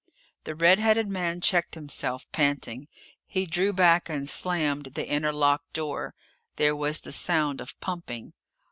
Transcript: The red headed man checked himself, panting. He drew back and slammed the inner lock door. There was the sound of pumping.